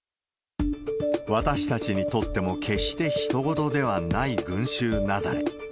私たちにとっても、決してひと事ではない群衆雪崩。